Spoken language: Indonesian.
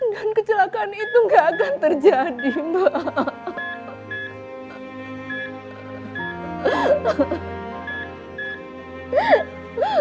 dan kecelakaan itu tidak akan terjadi mbak